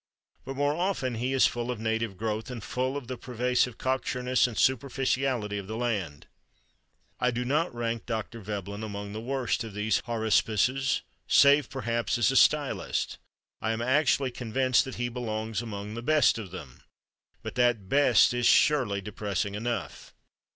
But more often he is of native growth, and full of the pervasive cocksureness and superficiality of the land. I do not rank Dr. Veblen among the worst of these haruspices, save perhaps as a stylist; I am actually convinced that he belongs among the best of them. But that best is surely depressing enough.